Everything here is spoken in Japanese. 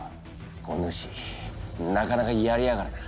お主なかなかやりやがるな。